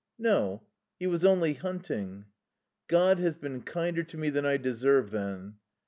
"No. He was only hunting." "God has been kinder to me than I deserve then."